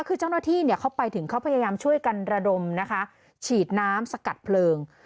คือเจ้าหน้าที่เขาไปถึงเขาพยายามช่วยกันระดมนะคะฉีดน้ำสกัดเพลิง